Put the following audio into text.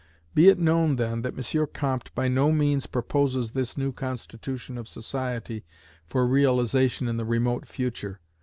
Be it known, then, that M. Comte by no means proposes this new constitution of society for realization in the remote future.